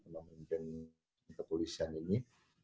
dan juga kepolisian ini